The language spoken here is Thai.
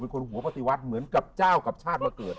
เป็นคนหัวปฎิวัตรเหมือนที่เจ้ากับชาติมาเกิด